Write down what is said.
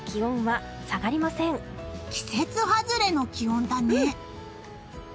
季節外れの気温だね。